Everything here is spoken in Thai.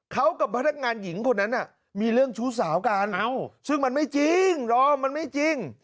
เขากับพนักงานหญิงคนนั้นมีเรื่องชู้สาวกันซึ่งมันไม่จริงดอมมันไม่จริง